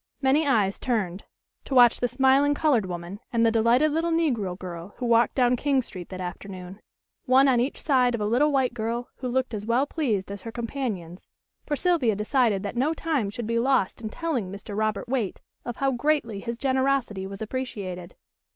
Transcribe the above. Many eyes turned to watch the smiling colored woman and the delighted little negro girl who walked down King Street that afternoon, one on each side of a little white girl who looked as well pleased as her companions, for Sylvia decided that no time should be lost in telling Mr. Robert Waite of how greatly his generosity was appreciated.